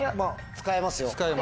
使えます。